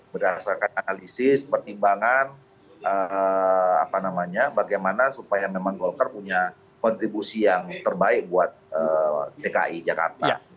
berdasarkan analisis pertimbangan bagaimana supaya memang golkar punya kontribusi yang terbaik buat dki jakarta